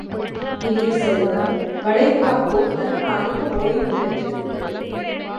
இனிய செல்வ, வளைகுடாப்போர், தற்காலிக ஓய்வு பெற்றிருக்கிறது.